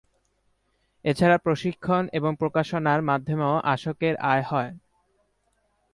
এছাড়া প্রশিক্ষণ এবং প্রকাশনার মাধ্যমেও আসক-এর আয় হয়।